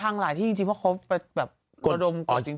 มันพังหลายที่จริงเพราะว่าเขาไประดมกดจริง